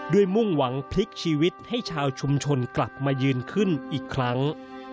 มุ่งหวังพลิกชีวิตให้ชาวชุมชนกลับมายืนขึ้นอีกครั้ง